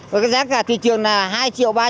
với giá cả thị trường là hai triệu ba trăm linh nghìn